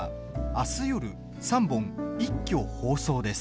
あす夜、３本一挙放送です。